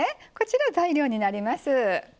材料になります。